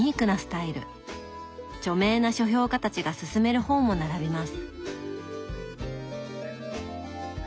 著名な書評家たちがすすめる本も並びます。